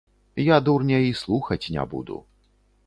Я дурня і слухаць не буду.